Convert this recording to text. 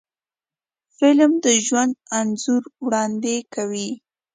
فلم د ژوند انځور وړاندې کوي